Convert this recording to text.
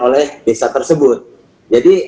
oleh desa tersebut jadi